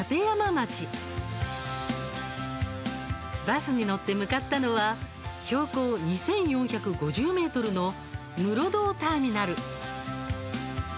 バスに乗って向かったのは標高２４５０ｍの室堂ターミナル。